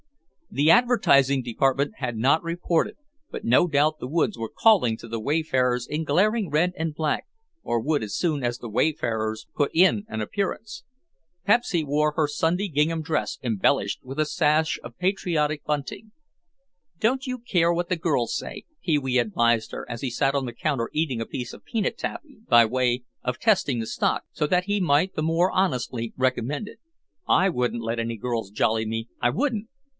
The advertising department had not reported, but no doubt the woods were calling to the wayfarers in glaring red and black, or would as soon as the wayfarers put in an appearance. Pepsy wore her Sunday gingham dress embellished with a sash of patriotic bunting. "Don't you care what the girls say," Pee wee advised her as he sat on the counter eating a piece of peanut taffy by way of testing the stock, so that he might the more honestly recommend it. "I wouldn't let any girls jolly me, I wouldn't.